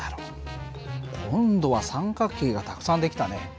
今度は三角形がたくさん出来たね。